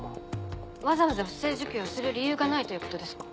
わざわざ不正受給をする理由がないということですか？